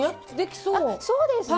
そうですね。